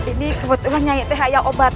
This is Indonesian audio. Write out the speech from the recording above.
ini kebetulan saya yang sedang obat